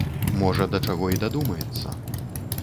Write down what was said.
Можа, да чаго і дадумаецца.